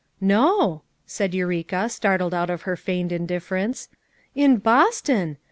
"No," said Eureka, startled out of her feigned indifference. "In Boston!